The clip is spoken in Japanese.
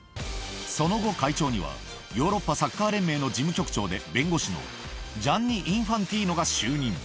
その後、会長にはヨーロッパサッカー連盟の事務局長で弁護士のジャンニ・インファンティーノが就任。